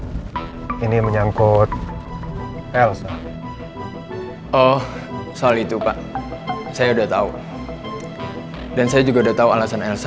ini menyangkut elsa oh soal itu pak saya udah tahu dan saya juga udah tahu alasan elsa